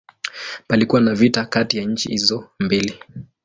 Palikuwa na vita kati ya nchi hizo mbili.